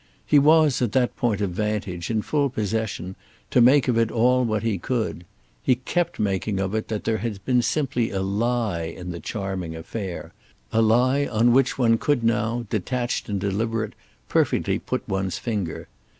He was, at that point of vantage, in full possession, to make of it all what he could. He kept making of it that there had been simply a lie in the charming affair—a lie on which one could now, detached and deliberate, perfectly put one's finger.